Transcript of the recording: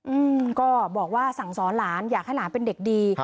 อืมก็บอกว่าสั่งสอนหลานอยากให้หลานเป็นเด็กดี